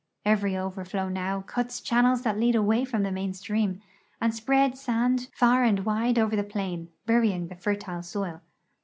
Every overflow now cuts channels that lead away from the main stream, and spread sand far and wide over the ]3lain, burying the fertile soil.